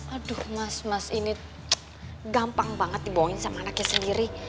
aduh mas mas ini gampang banget dibohongin sama anaknya sendiri